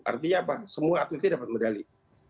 artinya apa semua atletnya dapat medali